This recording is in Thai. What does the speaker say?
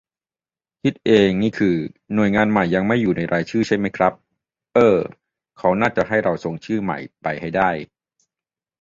คิดเองนี่คือ หน่วยงานใหม่ ยังไม่อยู่ในรายชื่อใช่ไหมครับ เอ้อ เขาน่าจะให้เราส่งชื่อใหม่ไปให้ได้